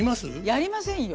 やりませんよ。